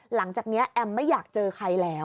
หลังจากนี้แอมไม่อยากเจอใครแล้ว